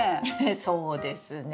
そうですね。